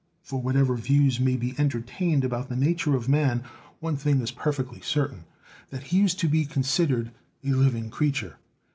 For whatever views may be entertained about the nature of man, one thing is perfectly certain, that he is to be considered a living creature.